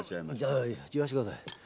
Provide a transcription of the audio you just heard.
ああ言わせてください。